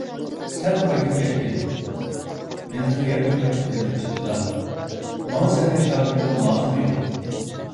_ سەن قايتىپ كەتكىن! − مېنى قەيەرگە قايتقىن دېمەكچىدىلا؟ − ماڭا سەندەك شاگىرتنىڭ لازىمى يوق!